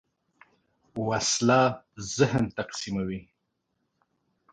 وسله ذهن تقسیموي